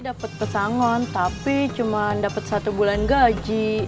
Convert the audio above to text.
dapat pesangon tapi cuma dapat satu bulan gaji